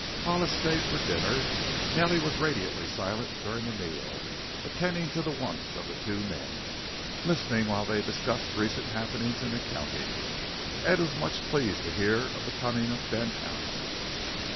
Hollis stayed for dinner. Nellie was radiantly silent during the meal, attending to the wants of the two men, listening while they discussed recent happenings in the county. Ed was much pleased to hear of the coming of Ben Allen.